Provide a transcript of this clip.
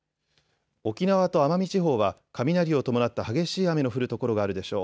沖縄と奄美地方は雷を伴った激しい雨の降る所があるでしょう。